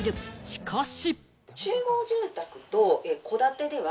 しかし。